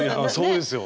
そうですよ。